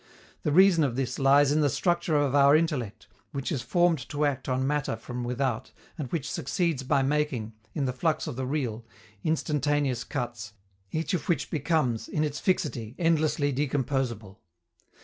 The reason of this lies in the structure of our intellect, which is formed to act on matter from without, and which succeeds by making, in the flux of the real, instantaneous cuts, each of which becomes, in its fixity, endlessly decomposable.